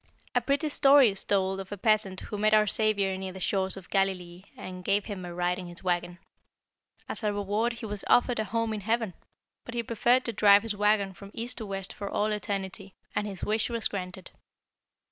"A pretty story is told of a peasant who met our Saviour near the shores of Galilee and gave Him a ride in his wagon. As a reward he was offered a home in heaven; but he preferred to drive his wagon from east to west for all eternity, and his wish was granted.